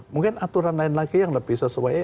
mungkin aturan lain lagi yang lebih sesuai